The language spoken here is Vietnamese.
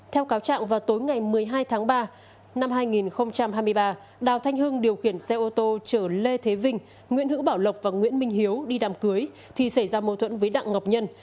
theo cáo trạng vào tối ngày một mươi hai tháng ba năm hai nghìn hai mươi ba đào thanh hưng điều khiển xe ô tô chở lê thế vinh nguyễn hữu bảo lộc và nguyễn minh hiếu đi đàm cưới thì xảy ra mâu thuẫn với đặng ngọc nhân